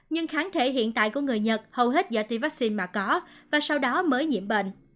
nhưng kháng thể hiện tại của người nhật hầu hết do tiêm vaccine mà có và sau đó mới nhiễm bệnh